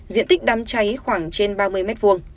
diện tích đám cháy khoảng trên ba mươi m hai